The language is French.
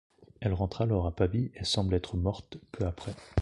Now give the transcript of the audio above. Elle rentre alors à Pavie et semble être morte peu après.